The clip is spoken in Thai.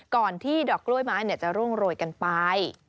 ก่อนที่ดอกกล้วยไม้จะร่วงโรยกันไป